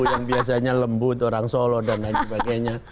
yang biasanya lembut orang solo dan lain sebagainya